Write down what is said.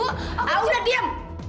aku sudah diam